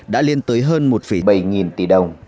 đã lên tới hơn một bảy nghìn tỷ đồng